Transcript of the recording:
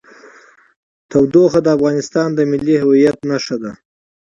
تودوخه د افغانستان د ملي هویت نښه ده.